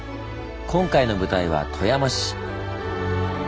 今回の舞台は富山市。